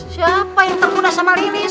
siapa yang tergoda sama lilis